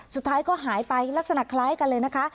สุดท้ายก็หายไปลักษณะคล้ายกันเลยนะคะ